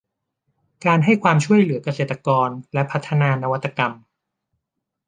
การให้ความช่วยเหลือเกษตรกรและพัฒนานวัตกรรม